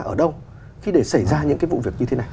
ở đâu khi để xảy ra những cái vụ việc như thế này